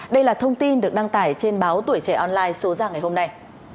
đây là thông tin được đăng tải trên báo tuổi trẻ online số ra ngày hôm nay